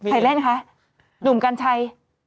ใครเล่นคะหนุ่มกัญชัย